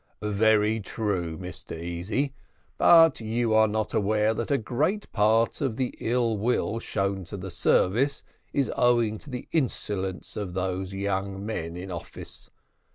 "Very true, Mr Easy; but you are not aware that a great part of the ill will shown to the service, is owing to the insolence of those young men in office.